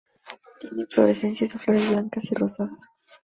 Tiene inflorescencias de flores blancas y rosadas.